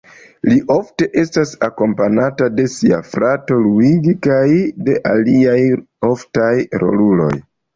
Li ofte estas akompanata de sia frato Luigi kaj de aliaj oftaj roluloj.